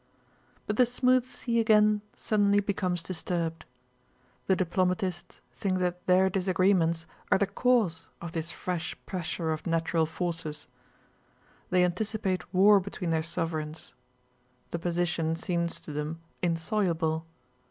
But the smooth sea again suddenly becomes disturbed. The diplomatists think that their disagreements are the cause of this fresh pressure of natural forces; they anticipate war between their sovereigns; the position seems to them insoluble.